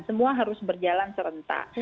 semua harus berjalan serentak